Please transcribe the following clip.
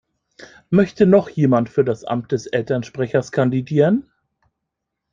Möchte noch jemand für das Amt des Elternsprechers kandidieren?